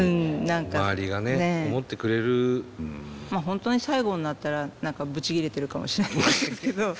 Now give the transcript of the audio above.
まあ本当に最後になったら何かブチ切れてるかもしれないですけど。